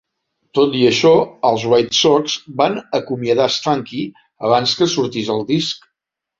Tot i això, els White Sox van acomiadar Stanky abans que sortís el disc.